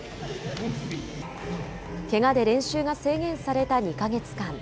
けがで練習が制限された２か月間。